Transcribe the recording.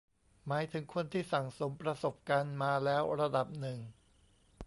หมายถึงคนที่สั่งสมประสบการณ์มาแล้วระดับหนึ่ง